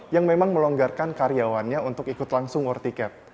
yang memang melonggarkan karyawannya untuk ikut langsung war ticket